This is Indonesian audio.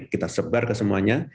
kita sebar ke semuanya